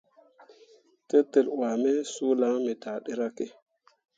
Tetel wuah me suu lan me daa ɗeryakke.